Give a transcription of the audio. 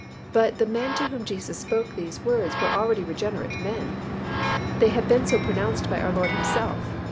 But the men to whom Jesus spoke these words were already regenerate men. They had been so pronounced by our Lord Himself.